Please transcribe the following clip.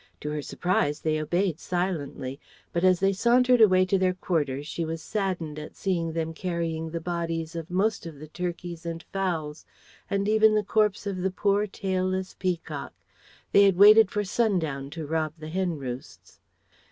To her surprise they obeyed silently, but as they sauntered away to their quarters she was saddened at seeing them carrying the bodies of most of the turkeys and fowls and even the corpse of the poor tailless peacock. They had waited for sundown to rob the hen roosts.